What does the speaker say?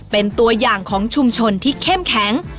เป็นตัวอย่างของชุมชนที่เข้มแข็ง